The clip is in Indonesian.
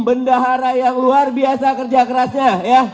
bendahara yang luar biasa kerja kerasnya ya